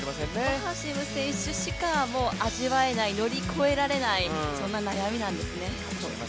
バーシム選手しか味わえない、乗り越えられないそんな悩みなんですね。